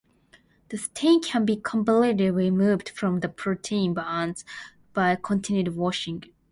The stain can be completely removed from the protein bands by continued washing.